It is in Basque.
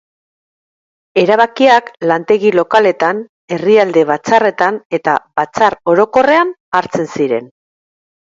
Erabakiak lantegi lokaletan, herrialde batzarretan eta batzar Orokorrean hartzen ziren.